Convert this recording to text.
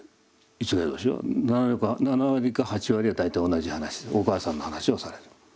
逸外老師は７割か８割は大体同じ話お母さんの話をされる。